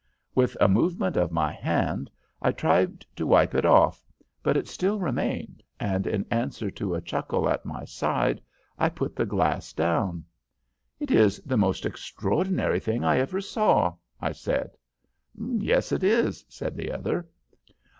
With a movement of my hand, I tried to wipe it off, but it still remained, and, in answer to a chuckle at my side, I put the glass down. "'It is the most extraordinary thing I ever saw,' I said. "'Yes, it is,' said the other.